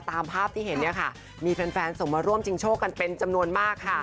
ตามภาพที่เห็นมีแฟนส่งมาร่วมจริงโชคกันเป็นจำนวนมาก